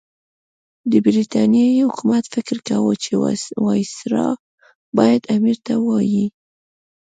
د برټانیې حکومت فکر کاوه چې وایسرا باید امیر ته ووايي.